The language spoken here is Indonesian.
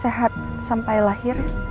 sehat sampai lahir